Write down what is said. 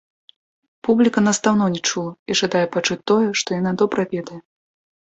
Публіка нас даўно не чула і жадае пачуць тое, што яна добра ведае.